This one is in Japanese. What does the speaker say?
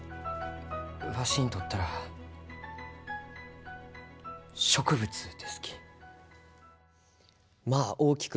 わしにとったら植物ですき。